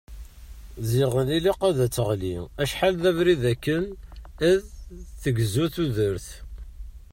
Ziɣen ilaq ad teɣli acḥal d abrid akken ad tegzu tudert.